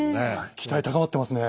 期待高まってますね。